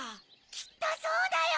きっとそうだよ！